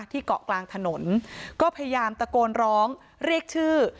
เกาะกลางถนนก็พยายามตะโกนร้องเรียกชื่อ